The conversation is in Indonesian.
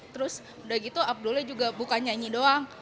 terus udah gitu abdulnya juga bukan nyanyi doang